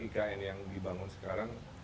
ikn yang dibangun sekarang